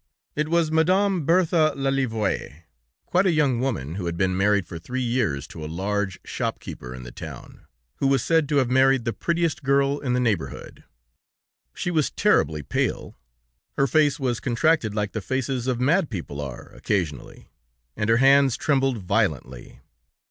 It was Madame Berthe Lelièvre, quite a young woman, who had been married for three years to a large shop keeper in the town, who was said to have married the prettiest girl in the neighborhood. "She was terribly pale, her face was contracted like the faces of mad people are, occasionally, and her hands trembled violently.